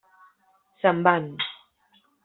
Se'n van.